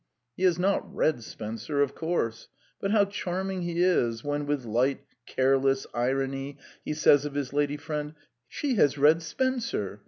He has not read Spencer, of course, but how charming he is when with light, careless irony he says of his lady friend: 'She has read Spencer!'